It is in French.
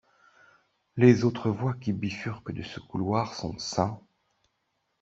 Les autres voies qui bifurquent de ce couloir sont St.